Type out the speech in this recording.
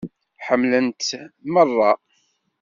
Ḥemmlen-t merra.